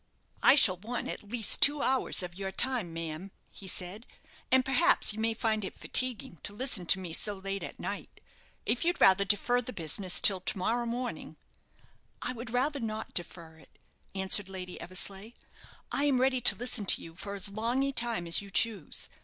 "I shall want at least two hours of your time, ma'am," he said; "and, perhaps, you may find it fatiguing to listen to me so late at night. If you'd rather defer the business till to morrow morning " "I would rather not defer it," answered Lady Eversleigh; "I am ready to listen to you for as long a time as you choose.